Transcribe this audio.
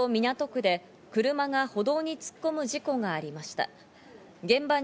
東京・港区で車が歩道に突っ込む事故がありました。